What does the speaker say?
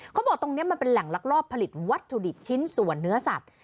เขาบอกตรงนี้มันเป็นแหล่งลักลอบผลิตวัตถุดิบชิ้นส่วนเนื้อสัตว